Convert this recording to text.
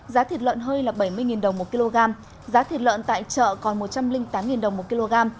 giá thịt lợn hơi là bảy mươi đồng một kg giá thịt lợn tại chợ còn một trăm linh tám đồng một kg